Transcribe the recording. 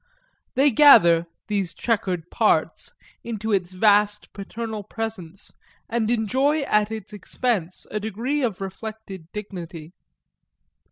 They gather, these chequered parts, into its vast paternal presence and enjoy at its expense a degree of reflected dignity.